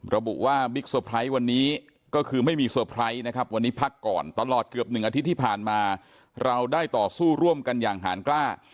ระบุว่าบิ๊กเซอร์ไพรส์วันนี้ก็คือไม่มีเซอร์ไพรส์นะครับวันนี้พักก่อนตลอดเกือบ๑อาทิตย์ที่ผ่านมาเราได้ต่อสู้ร่วมกันอย่างหารกล้า